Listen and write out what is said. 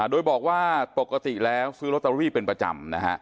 โดยบอกว่าปกติแล้วซื้อลอตเตอรี่เป็นประจำนะฮะ